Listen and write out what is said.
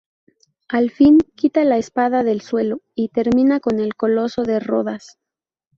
Al fin, quita la espada del suelo y termina con el coloso de Rodas.